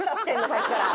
さっきから。